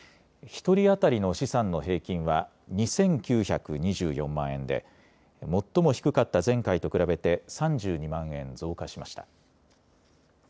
１人当たりの資産の平均は２９２４万円で最も低かった前回と比べて３２万円増加しました。